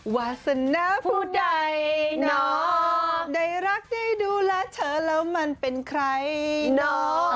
วาสนาผู้ใดเนาะได้รักได้ดูแลเธอแล้วมันเป็นใครเนาะ